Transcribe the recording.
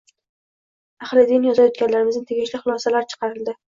– ahli din yozayotganlarimizdan tegishli xulosalar chiqarildi.